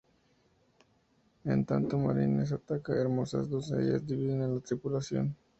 En tanto Marines ataque, hermosas doncellas dividen a la tripulación.